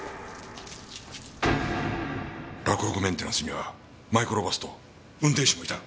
洛北メンテナンスにはマイクロバスと運転手もいたな。